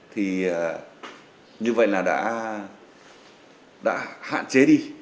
thì như vậy là đã hạn chế đi